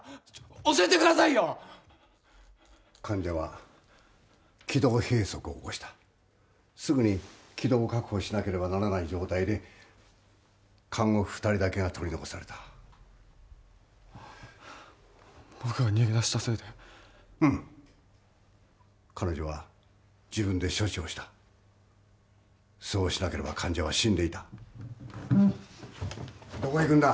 教えてくださいよ患者は気道閉そくを起こしたすぐに気道を確保しなければならない状態で看護婦二人だけが取り残された僕が逃げ出したせいでうん彼女は自分で処置をしたそうしなければ患者は死んでいたどこ行くんだ？